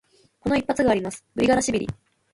この一発があります、グリガラシビリ。